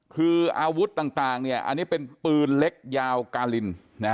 คืออาวุธต่างอันนี้เป็นปืนเล็กยาวกาลิน